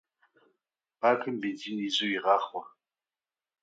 Бакым бензин изу игъахъуэ.